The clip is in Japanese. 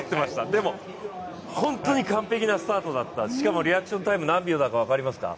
でも本当に完璧なスタートだったしかもリアクションタイム何秒だったか分かりますか？